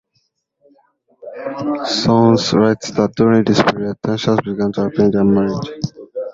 Sounes writes that during this period, tensions began to appear in their marriage.